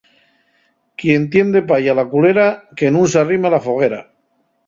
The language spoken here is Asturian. Quien tien de paya la culera que nun s'arrime a la foguera.